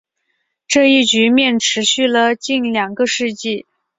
这一局面持续了近两个世纪。